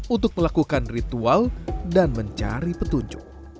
untuk melakukan ritual dan mencari petunjuk